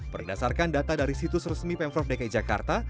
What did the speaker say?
berdasarkan data dari situs resmi pemprov dki jakarta